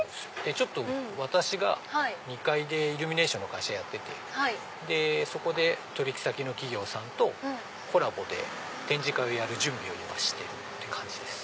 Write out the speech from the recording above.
私が２階でイルミネーションの会社やっててそこで取引先の企業さんとコラボで展示会をやる準備を今してるって感じです。